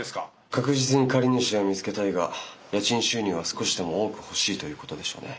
確実に借り主を見つけたいが家賃収入は少しでも多く欲しいということでしょうね。